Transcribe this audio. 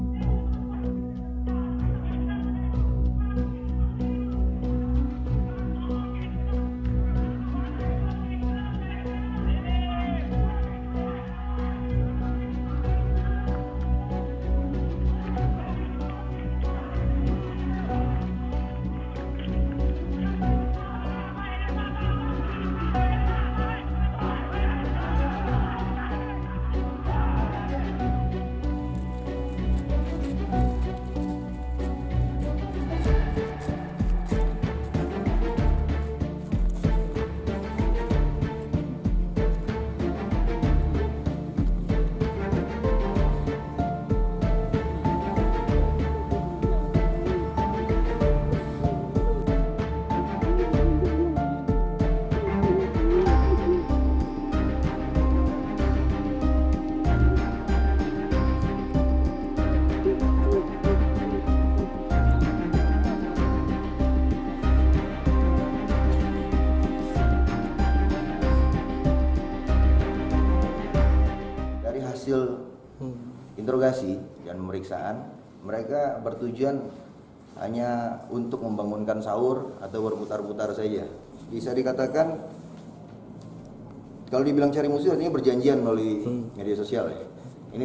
jangan lupa like share dan subscribe channel ini